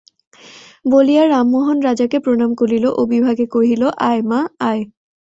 বলিয়া রামমোহন রাজাকে প্রণাম করিল ও বিভাকে কহিল, আয় মা, আয়।